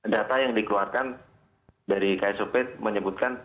data yang dikeluarkan dari ksop menyebutkan